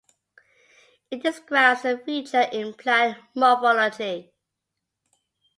It describes a feature in plant morphology.